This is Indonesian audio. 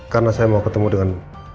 karena saya mau ketemu dengan